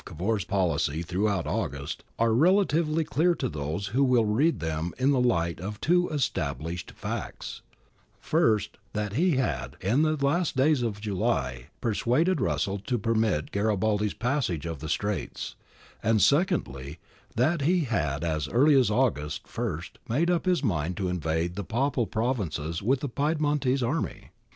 CAVOUR'S POLICY 169 The motives of Cavour's policy throughout August are relatively clear to those who will read them in the light of two established facts : first, that he had, in the last days of July, persuaded Russell to permit Garibaldi's passage of the Straits ;' and secondly, that he had as early as August i made up his mind to invade the Papal provmces with the Piedmontese army.